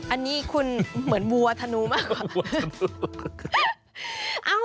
อันนี้คุณเหมือนวัวธนูมากกว่า